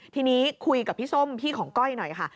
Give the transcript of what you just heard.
ทีนี้คุยกับพี่ส้มพี่ของก้อยหน่อยค่ะ